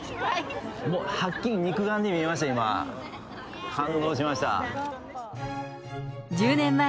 もうはっきり肉眼で見えました、今。